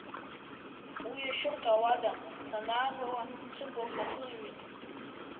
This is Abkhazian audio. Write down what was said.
Уи ашьырҭа ауада санаавала, сыблақәа хызҩеит.